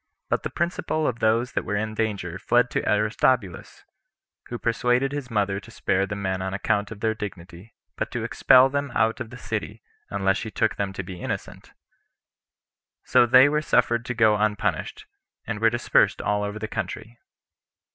But the principal of those that were in danger fled to Aristobulus, who persuaded his mother to spare the men on account of their dignity, but to expel them out of the city, unless she took them to be innocent; so they were suffered to go unpunished, and were dispersed all over the country.